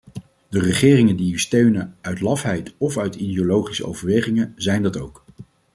De regeringen die u steunen, uit lafheid of uit ideologische overwegingen, zijn dat ook.